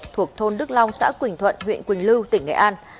thuộc thôn đức long xã quỳnh thuận huyện quỳnh lưu tỉnh nghệ an